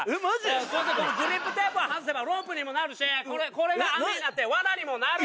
そしてこのグリップテープを外せばロープにもなるしこれが網になって罠にもなる。